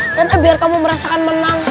sana biar kamu merasakan menang